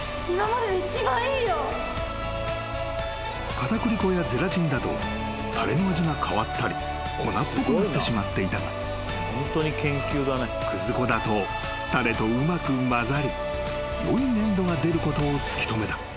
［片栗粉やゼラチンだとたれの味が変わったり粉っぽくなってしまっていたがくず粉だとたれとうまく混ざりよい粘度が出ることを突き止めた］